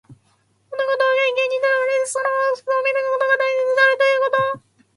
物事は外見にとらわれず、その本質を見抜くことが大切であるということ。